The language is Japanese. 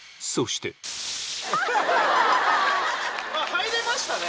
入れましたね。